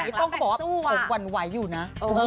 แต่นี่โต้งก็บอกว่าผมวันวายอยู่นะ